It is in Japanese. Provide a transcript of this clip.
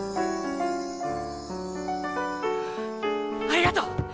ありがと！